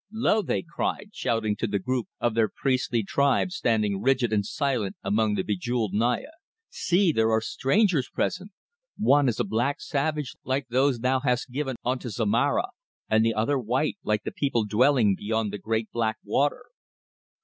"Lo!" they cried, shouting to the group of their priestly tribe standing rigid and silent around the bejewelled Naya. "See! There are strangers present! One is a black savage like those thou hast given unto Zomara, and the other white, like the people dwelling beyond the great black water."